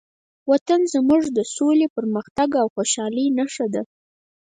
وطن زموږ د سولې، پرمختګ او خوشحالۍ نښه ده.